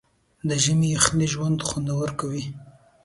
د ژمي یخنۍ ژوند خوندور کوي.